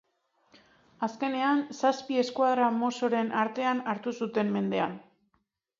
Azkenean, zazpi esquadra mossoren artean hartu zuten mendean.